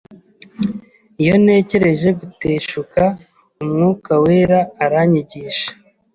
iyo ntekereje guteshuka, umwuka wera aranyigisha